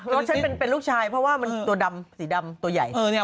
ฉันเป็นลูกชายเพราะว่ามันตัวดำสีดำตัวใหญ่